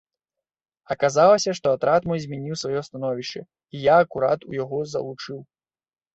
Аказалася, што атрад мой змяніў сваё становішча і я акурат у яго залучыў.